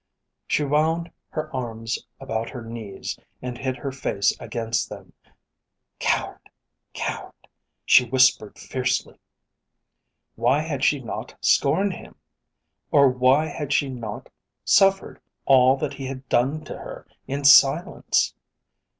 She wound her arms about her knees and hid her face against them. "Coward! Coward!" she whispered fiercely. Why had she not scorned him? Or why had she not suffered all that he had done to her in silence?